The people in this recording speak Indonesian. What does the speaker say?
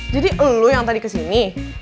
jadi elu yang tadi kesini